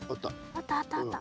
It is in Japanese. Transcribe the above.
あったあったあった。